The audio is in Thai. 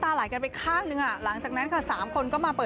ต่อจากนี้ไปฉันจะอยู่ดูแลเธอ